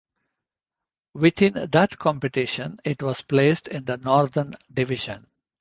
Within that competition it was placed in the Northern Division.